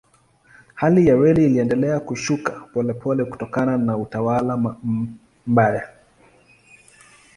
Hali ya reli iliendelea kushuka polepole kutokana na utawala mbaya.